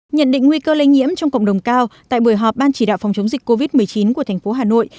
nhận định nguy cơ lây nhiễm trong cộng đồng cao tại buổi họp ban chỉ đạo phòng chống dịch covid một mươi chín của thành phố hà nội